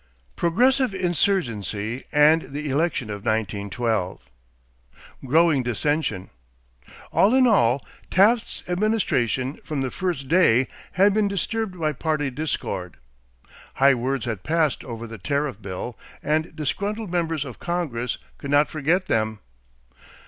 PROGRESSIVE INSURGENCY AND THE ELECTION OF 1912 =Growing Dissensions.= All in all, Taft's administration from the first day had been disturbed by party discord. High words had passed over the tariff bill and disgruntled members of Congress could not forget them.